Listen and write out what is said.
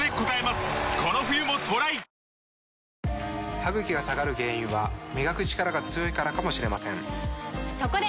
歯ぐきが下がる原因は磨くチカラが強いからかもしれませんそこで！